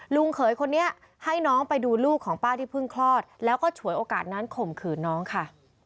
เขยคนนี้ให้น้องไปดูลูกของป้าที่เพิ่งคลอดแล้วก็ฉวยโอกาสนั้นข่มขืนน้องค่ะ